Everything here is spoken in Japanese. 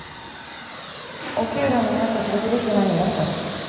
お給料に見合った仕事できてないのやだから。